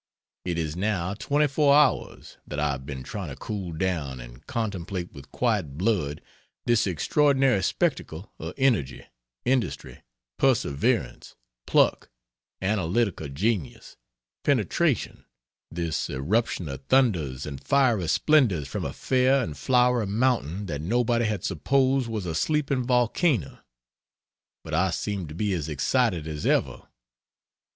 It is now twenty four hours that I have been trying to cool down and contemplate with quiet blood this extraordinary spectacle of energy, industry, perseverance, pluck, analytical genius, penetration, this irruption of thunders and fiery splendors from a fair and flowery mountain that nobody had supposed was a sleeping volcano, but I seem to be as excited as ever.